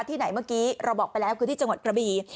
ที่ไหนเมื่อกี้เราบอกไปแล้วคือที่จังหวัดกระบี